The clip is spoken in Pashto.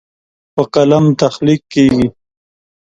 په قلم تخلیق کیږي.